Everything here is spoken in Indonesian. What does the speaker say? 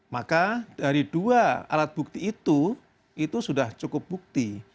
maka dari dua alat bukti itu itu sudah cukup bukti